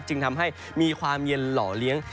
จึงทำให้มีความเย็นหล่อเลี้ยง